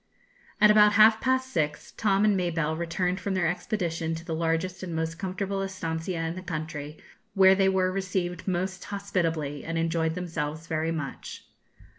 At about half past six, Tom and Mabelle returned from their expedition to the largest and most comfortable estancia in the country, where they were received most hospitably, and enjoyed themselves very much.